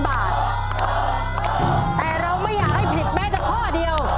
แต่เราไม่อยากให้ผิดแม้แต่ข้อเดียว